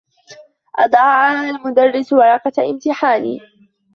أضاع المدرّس ورقة امتحاني.